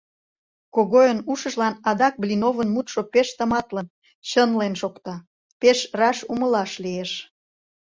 Когойын ушыжлан адак Блиновын мутшо пеш тыматлын, чынлен шокта, пеш раш умылаш лиеш.